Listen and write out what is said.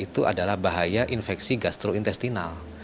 itu adalah bahaya infeksi gastrointestinal